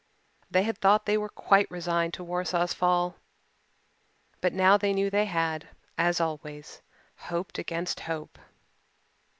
They had thought they were quite resigned to Warsaw's fall but now they knew they had, as always, hoped against hope.